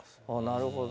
なるほど。